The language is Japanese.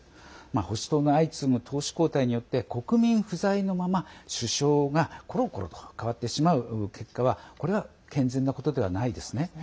保守党の相次ぐ党首交代によって国民不在のまま、首相がころころ変わってしまう結果はこれは健全なことではないですね。